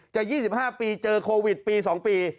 ๒๕ปีเจอโควิดปี๒ปี